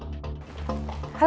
kalau aku angkat